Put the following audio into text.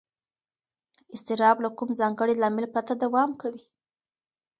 اضطراب له کوم ځانګړي لامل پرته دوام کوي.